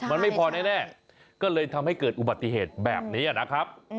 มันไม่พอแน่ก็เลยทำให้เกิดอุบัติเหตุแบบนี้นะครับ